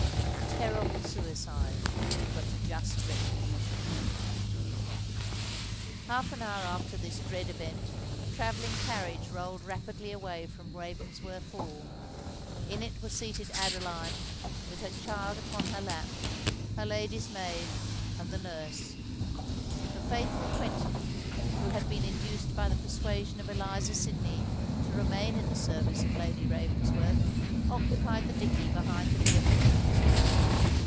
Terrible suicide—but just retribution! Half an hour after this dread event a travelling carriage rolled rapidly away from Ravensworth Hall. In it were seated Adeline, with her child upon her lap, her lady's maid, and the nurse. The faithful Quentin, who had been induced by the persuasion of Eliza Sydney to remain in the service of Lady Ravensworth, occupied the dickey behind the vehicle.